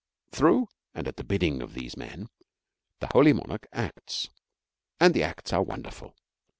Through and at the bidding of these men, the holy Monarch acts; and the acts are wonderful.